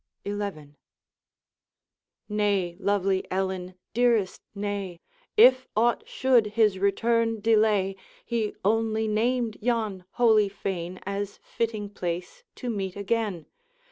XI. 'Nay, lovely Ellen! dearest, nay! If aught should his return delay, He only named yon holy fane As fitting place to meet again.